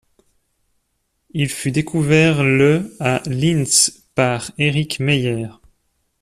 Il fut découvert le à Linz par Erik Meyer.